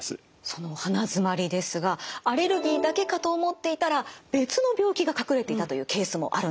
その鼻づまりですがアレルギーだけかと思っていたら別の病気が隠れていたというケースもあるんです。